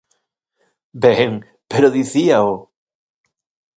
¡Ben, pero dicíao!